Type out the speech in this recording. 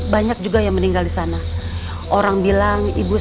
banyak juga yang meninggal di sana orang bilang ibu